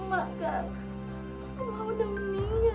emak kan emak udah meninggal